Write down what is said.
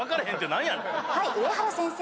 何や⁉はい上原先生。